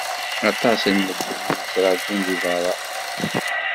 Aṭas n medden i yettrajun deg berra.